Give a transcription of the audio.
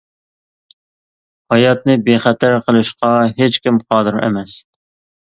ھاياتنى بىخەتەر قىلىشقا ھېچكىم قادىر ئەمەس.